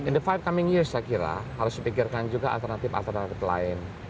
in the fight coming years saya kira harus dipikirkan juga alternatif alternatif lain